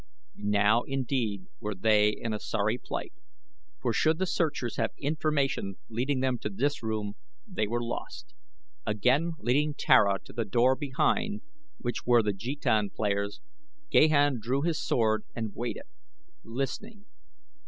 Now indeed were they in a sorry plight, for should the searchers have information leading them to this room they were lost. Again leading Tara to the door behind which were the jetan players Gahan drew his sword and waited, listening.